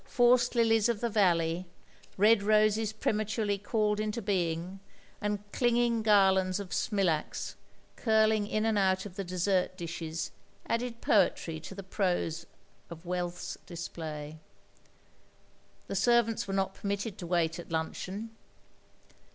Forced lilies of 2 THE LONELY LADY the valley, red roses prematurely called into being, and clinging garlands of smilax curling in and out of the dessert dishes, added poetry to the prose of wealth's display. The servants were not permitted to wait at luncheon.